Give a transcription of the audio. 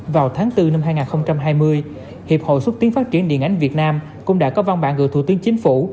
vào tháng bốn năm hai nghìn hai mươi hiệp hội xuất tiến phát triển điện ảnh việt nam cũng đã có văn bản gửi thủ tướng chính phủ